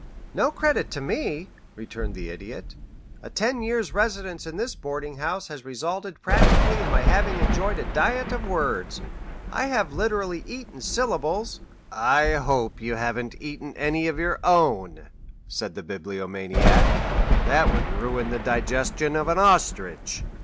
"No credit to me," returned the Idiot. "A ten years' residence in this boarding house has resulted practically in my having enjoyed a diet of words. I have literally eaten syllables " "I hope you haven't eaten any of your own," said the Bibliomaniac. "That would ruin the digestion of an ostrich."